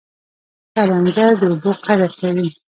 کروندګر د اوبو قدر کوي